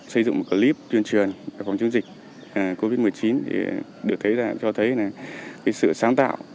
xây dựng một clip tuyên truyền về phòng chứng dịch covid một mươi chín thì được thấy là cho thấy sự sáng tạo